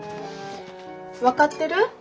分かってる？